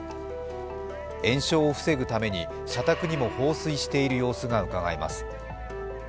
延焼を防ぐために社宅にも放水している様子がうかがえます。